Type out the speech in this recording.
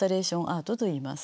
アートと言います。